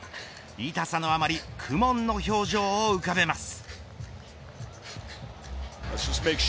痛さのあまり苦もんの表情を浮かべます。